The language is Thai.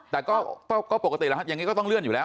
แต่ก็ปกติแล้วอย่างนี้ก็ต้องเลื่อนอยู่แล้ว